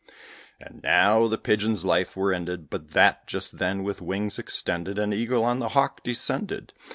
And now the Pigeon's life were ended, But that, just then, with wings extended, An eagle on the hawk descended.